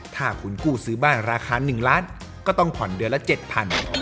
ถ้าคุณกู้ซื้อบ้านราคา๑ล้านก็ต้องผ่อนเดือนละ๗๐๐บาท